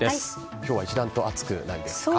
今日は一段と暑くないですか？